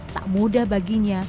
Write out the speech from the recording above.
tak mudah baginya